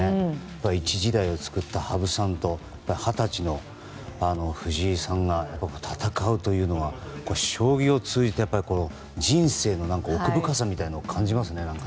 一時代を作った羽生さんと二十歳の藤井さんが戦うというのは将棋を通じて、人生の奥深さみたいなのを感じますね。